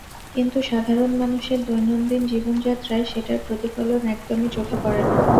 কিন্তু সাধারণ মানুষের দৈনন্দিন জীবনযাত্রায় সেটার প্রতিফলন একদমই চোখে পড়ে না।